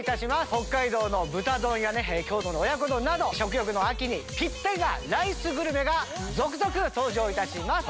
北海道の豚丼や京都の親子丼など食欲の秋にぴったりなライスグルメが続々登場します。